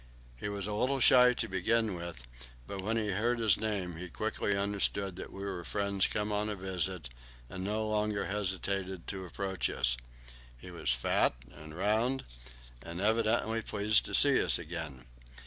He was a little shy to begin with, but when he heard his name he quickly understood that we were friends come on a visit, and no longer hesitated to approach us. He was fat and round, and evidently pleased to see us again.